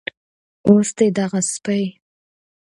اوس دې دغه سپي